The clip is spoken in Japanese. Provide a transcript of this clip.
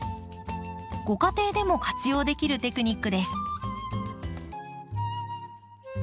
ご家庭でも活用できるテクニックです。